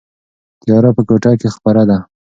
تیاره په کوټه کې خپره ده.